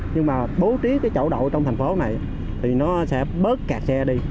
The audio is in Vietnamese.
nhưng mà bố trí cái chỗ đậu trong thành phố này thì nó sẽ bớt kẹt xe đi